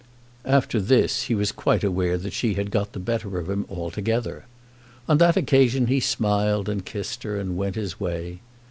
After this he was quite aware that she had got the better of him altogether. On that occasion he smiled and kissed her, and went his way.